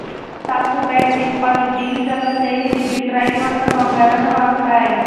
تاسو باید د خپلو ډیجیټل وسایلو د بېټرۍ ژوند ته پاملرنه وکړئ.